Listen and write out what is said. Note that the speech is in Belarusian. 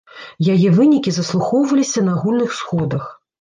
Яе вынікі заслухоўваліся на агульных сходах.